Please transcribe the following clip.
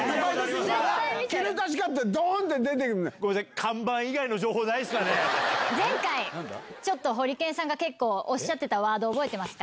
きぬた歯科って、どんって出てくごめんなさい、前回、ちょっとホリケンさんが結構おっしゃってたワード、覚えてますか？